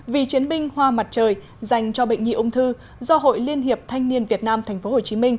vì chiến binh hoa mặt trời dành cho bệnh nhi ung thư do hội liên hiệp thanh niên việt nam tp hcm